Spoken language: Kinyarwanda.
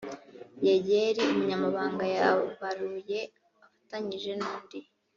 yeyeli umunyamabanga yabaruye afatanyije n’undi